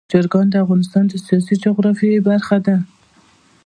چرګان د افغانستان د سیاسي جغرافیه برخه ده.